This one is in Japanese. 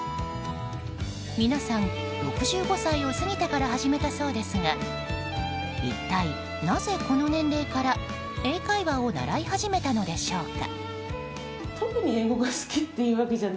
皆さん、６５歳を過ぎてから始めたそうですが一体なぜ、この年齢から英会話を習い始めたのでしょうか。